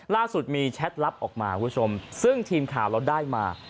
ล่าสุดมีแชทลับออกมาคุณผู้ชมซึ่งทีมข่าวเราได้มา